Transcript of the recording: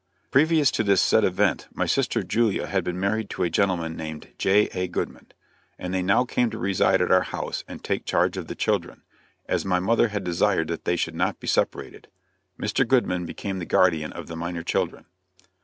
Previous to this said event my sister Julia had been married to a gentleman named J.A. Goodman, and they now came to reside at our house and take charge of the children, as my mother had desired that they should not be separated. Mr. Goodman became the guardian of the minor children.